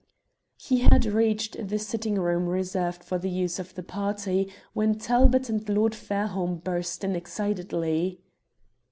He had reached the sitting room reserved for the use of the party when Talbot and Lord Fairholme burst in excitedly.